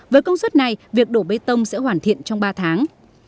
với công suất này việc đổ bê tông sẽ hoàn thiện trong ba tháng